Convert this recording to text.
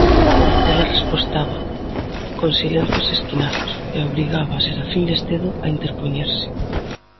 Ela respostaba con silencios esquinados, e obrigaba a Serafín Lestedo a interpoñerse.